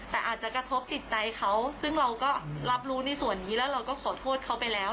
แต่อาจจะกระทบจิตใจเขาซึ่งเราก็รับรู้ในส่วนนี้แล้วเราก็ขอโทษเขาไปแล้ว